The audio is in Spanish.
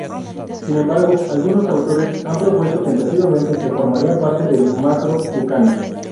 Sin embargo, algunos autores han propuesto tentativamente que formaría parte del macro-tucano.